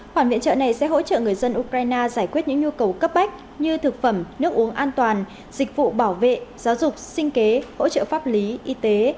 khoản viện trợ này sẽ hỗ trợ người dân ukraine giải quyết những nhu cầu cấp bách như thực phẩm nước uống an toàn dịch vụ bảo vệ giáo dục sinh kế hỗ trợ pháp lý y tế